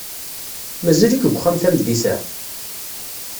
Mazal-ik deg uxxam tameddit-a?